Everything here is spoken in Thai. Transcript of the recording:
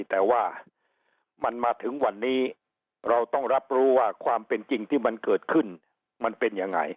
แต่ว่ามันมาถึงวันนี้เราต้องรับรู้ว่าความเป็นจริงที่มันเกิดขึ้นมันเป็นยังไง